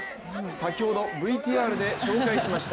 先ほどＶＴＲで紹介しました